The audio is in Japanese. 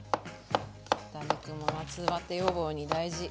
豚肉も夏バテ予防に大事。